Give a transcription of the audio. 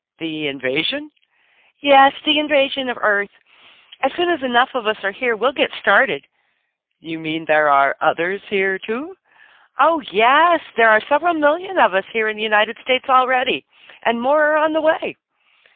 "The invasion?" "Yes, the invasion of Earth. As soon as enough of us are here we'll get started." "You mean there are others here, too?" "Oh, yes, there are several million of us here in the United States already and more are on the way."